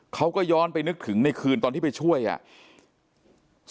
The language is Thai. เขาก็ย้อนไปนึกถึงในคืนตอนที่ไปช่วยอ่ะ